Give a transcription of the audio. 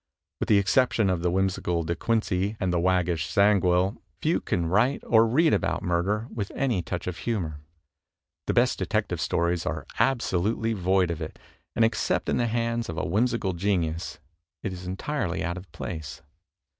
With the exception of the whimsical De Quincey and the waggish Zangwill, few can write or read about murder with any touch of humor. The best Detective Stories are absolutely void of it, and except in the hands of a whimsical genius it is entirely out of place. Mr.